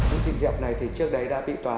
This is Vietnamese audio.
vũ thị diệp này thì trước đây đã bị tòa